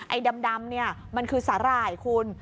อะไรมันคือสาร่ายคุณ